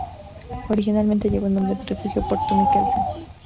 Originalmente llevó el nombre de refugio Puerto Mikkelsen.